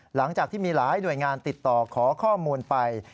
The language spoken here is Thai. หลังจากที่มีหลายหน่วยงานติดต่อขอข้อมูลไป